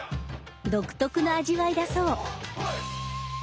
独特の味わいだそう。